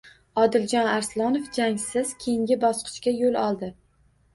Odiljon Aslonov jangsiz keyingi bosqichga yo‘l oldi